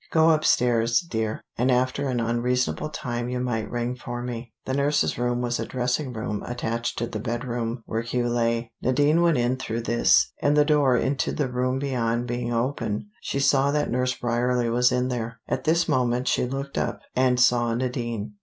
Go upstairs, dear, and after an unreasonable time you might ring for me." The nurse's room was a dressing room attached to the bedroom where Hugh lay. Nadine went in through this, and the door into the room beyond being open, she saw that Nurse Bryerley was in there. At this moment she looked up and saw Nadine.